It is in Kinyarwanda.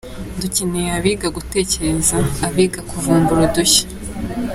Dukeneye abiga gutekereza, abiga kuvumbura udushya.